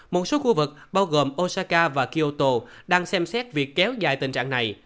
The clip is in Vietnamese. một số khu vực bao gồm osaka và kyoto đang xem xét việc kéo dài tình trạng này